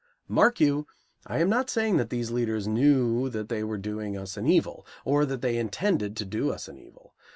Mark you, I am not saying that these leaders knew that they were doing us an evil, or that they intended to do us an evil.